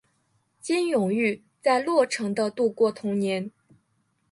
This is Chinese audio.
金永玉在洛城的度过童年。